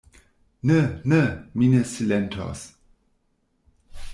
Ne, ne; mi ne silentos.